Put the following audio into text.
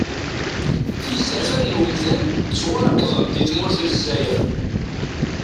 Izerfan n wemdan ttwarekḍen di tmurt n lezzayer.